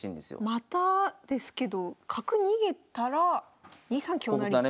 またですけど角逃げたら２三香成。